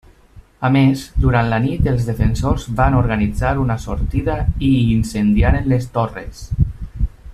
A més, durant la nit, els defensors van organitzar una sortida i incendiaren les torres.